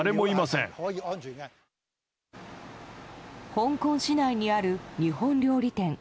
香港市内にある日本料理店。